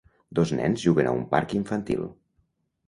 Dos nens juguen a un parc infantil.